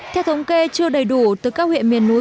theo thống kê chưa đầy đủ từ các huyện miền núi